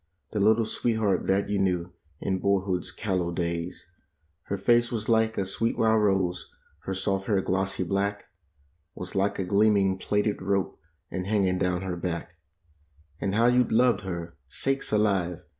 The little sweetheart that you knew in boy¬ hood's callow days; Her face was like a sweet wild rose; her soft hair, glossy black, a s like a gleaming d rope, and a n g i n g down her back. W \nd how you loved her! Sakes alive!